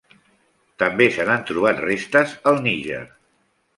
També se n'han trobat restes al Níger.